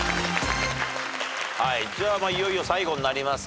じゃあいよいよ最後になりますかね。